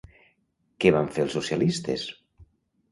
Què van fer els socialistes?